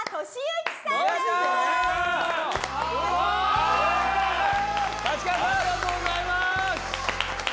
ありがとうございます！